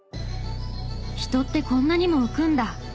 人ってこんなにも浮くんだ！